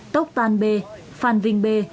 tốc tan b phan vinh b